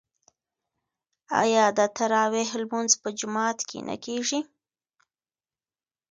آیا د تراويح لمونځ په جومات کې نه کیږي؟